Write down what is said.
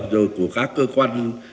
rồi của các cơ quan